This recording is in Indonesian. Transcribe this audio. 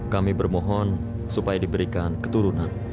kami bermohon supaya diberikan keturunan